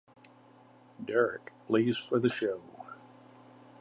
Derek leaves for the show.